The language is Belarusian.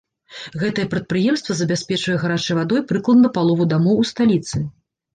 Гэтае прадпрыемства забяспечвае гарачай вадой прыкладна палову дамоў у сталіцы.